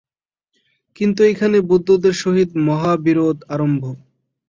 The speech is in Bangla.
কিন্তু এইখানেই বৌদ্ধদের সহিত মহা বিরোধ আরম্ভ।